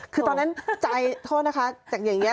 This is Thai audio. คือตอนนั้นใจโทษนะคะจากอย่างนี้